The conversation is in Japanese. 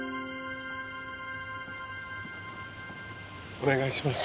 お願いします